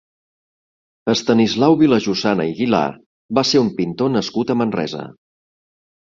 Estanislau Vilajosana i Guilà va ser un pintor nascut a Manresa.